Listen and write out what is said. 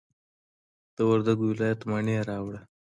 د وردګو ولایت مڼې راوړه.